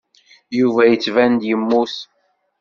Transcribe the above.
Yuba yettban-d yemmut.